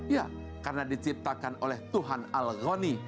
ya karena diciptakan oleh tuhan al ghani